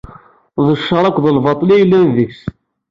D ccer akked lbaṭel i yellan deg-s.